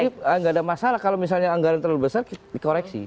jadi tidak ada masalah kalau misalnya anggaran terlalu besar dikoreksi